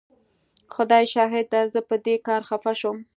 خدای شاهد دی زه په دې کار خفه شوم.